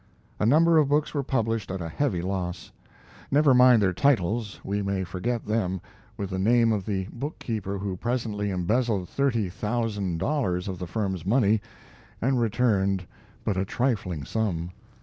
A number of books were published at a heavy loss. Never mind their titles; we may forget them, with the name of the bookkeeper who presently embezzled thirty thousand dollars of the firm's money and returned but a trifling sum.